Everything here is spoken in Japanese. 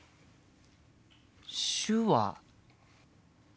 手話。